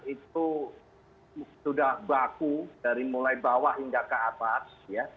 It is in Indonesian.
itu sudah baku dari mulai bawah hingga ke atas